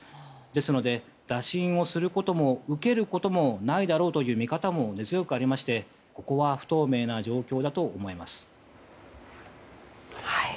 ですので打診をすることも、受けることもないだろうという見方も根強くありましてここは不透明な状況だと思います。